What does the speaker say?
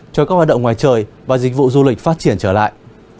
cho các hoạt động ngoài trời và dịch vụ du lịch phát triển trở lại